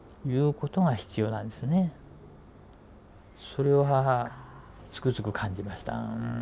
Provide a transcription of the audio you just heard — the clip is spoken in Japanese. それはつくづく感じました。